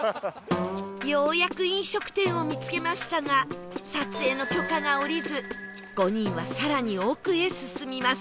ようやく飲食店を見つけましたが撮影の許可が下りず５人は更に奥へ進みます